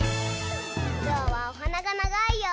ぞうはおはながながいよ。